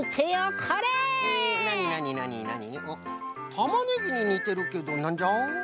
たまねぎににてるけどなんじゃ？